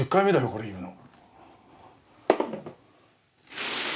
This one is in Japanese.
これ言うの。